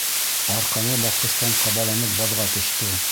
Арҡанлы баҫҡыстан ҡабаланып баҙға төштө.